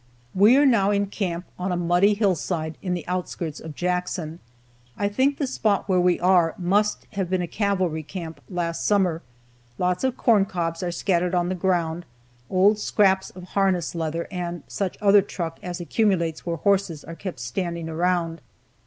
"We are now in camp on a muddy hillside in the outskirts of Jackson. I think the spot where we are must have been a cavalry camp last summer. Lots of corn cobs are scattered on the ground, old scraps of harness leather, and such other truck as accumulates where horses are kept standing around.